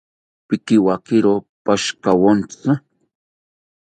Pikiwakiro pashikawontzi